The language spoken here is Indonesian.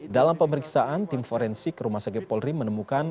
dalam pemeriksaan tim forensik rumah sakit polri menemukan